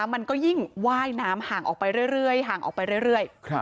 มันก็ยิ่งว่ายน้ำห่างออกไปเรื่อย